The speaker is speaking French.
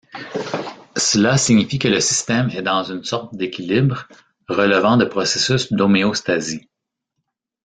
Cela signifie que le système est dans une sorte d'équilibre, relevant de processus d'homéostasie.